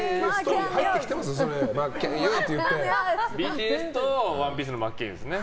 ＢＴＳと「ＯＮＥＰＩＥＣＥ」の真剣佑ですね。